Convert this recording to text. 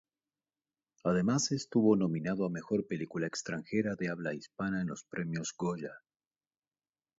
Además estuvo nominado a mejor película extranjera de habla hispana en los Premios Goya.